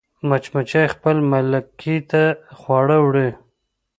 مچمچۍ خپل ملکې ته خواړه وړي